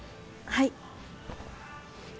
はい。